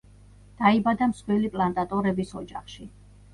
დაიბადა მსხვილი პლანტატორების ოჯახში.